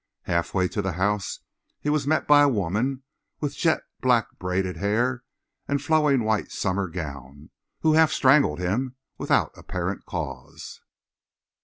Halfway to the house he was met by a woman with jet black braided hair and flowing white summer gown, who half strangled him without apparent cause.